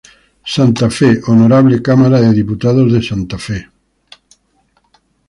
Santa Fe: Honorable Cámara de Diputados de Santa Fe.